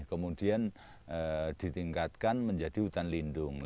kemudian ditingkatkan menjadi hutan lindung